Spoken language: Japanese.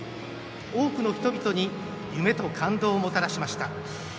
多くの人々に夢と感動をもたらしました。